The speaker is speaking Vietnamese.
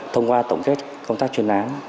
thông qua tổng kết công tác chuyên án